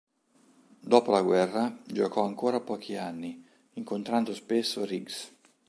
Dopo la guerra, giocò ancora pochi anni, incontrando spesso Riggs.